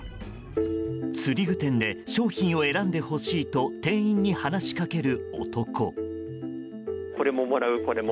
釣具店で商品を選んでほしいと店員に話しかける男。